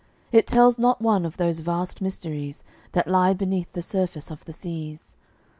It tells not one of those vast mysteries That lie beneath the surface of the seas.